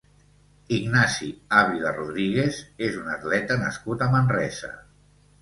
Ignasi Ávila Rodríguez és un atleta nascut a Manresa.